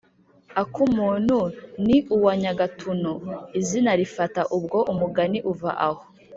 «akumuntu ni uwa nyagatuntu! izina lifata bwo; umugani uva aho.